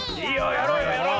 やろうよやろう。